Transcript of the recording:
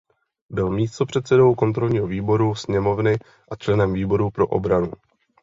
Byl místopředsedou kontrolního výboru sněmovny a členem výboru pro obranu.